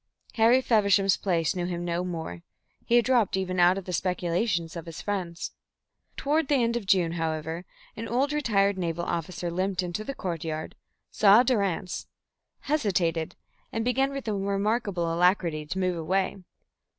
Harry Feversham's place knew him no more; he had dropped even out of the speculations of his friends. Toward the end of June, however, an old retired naval officer limped into the courtyard, saw Durrance, hesitated, and began with a remarkable alacrity to move away.